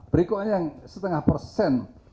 berikutnya yang setengah persen